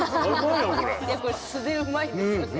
いやこれ素でうまいんですよね。